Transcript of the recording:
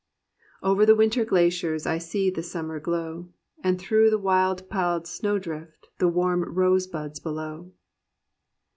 '* Over the winter glaciers, I see the summer glow, And through the wild piled snowdrift The warm rose buds below."